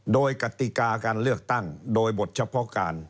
โดยกติกาการเลือกตั้งโดยบทเฉพาะการ